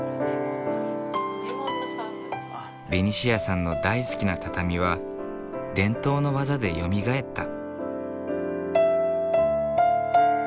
ベニシアさんの大好きな畳は伝統の技でよみがえった。